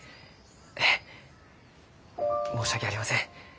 ええ申し訳ありません。